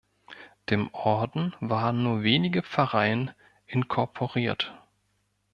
Dem Orden waren nur wenige Pfarreien inkorporiert.